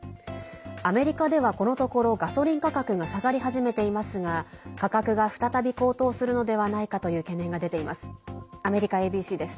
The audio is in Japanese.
アメリカではこのところガソリン価格が下がり始めていますが価格が再び高騰するのではないかという懸念が出ています。